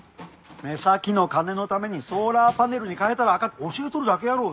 目先の金のためにソーラーパネルに変えたらあかんって教えとるだけやろうが。